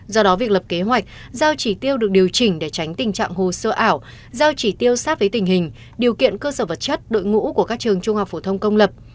do đó việc lập kế hoạch giao chỉ tiêu được điều chỉnh để tránh tình trạng hồ sơ ảo giao chỉ tiêu sát với tình hình điều kiện cơ sở vật chất đội ngũ của các trường trung học phổ thông công lập